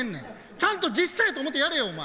ちゃんと実際やと思ってやれよお前。